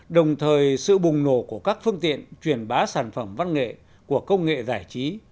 đồng thời sự bùng nổ của các phương tiện truyền bá sản phẩm văn nghệ của công nghệ giải trí